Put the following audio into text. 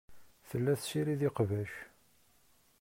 Tella tessirid iqbac.